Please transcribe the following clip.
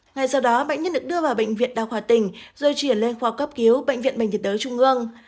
ngay sau đó bệnh nhân được đưa vào bệnh viện đa khoa tỉnh rồi chuyển lên khoa cấp cứu bệnh viện bệnh nhiệt đới trung ương